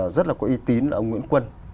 rất là có y tín là ông nguyễn quân